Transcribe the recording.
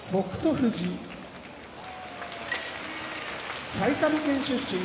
富士埼玉県出身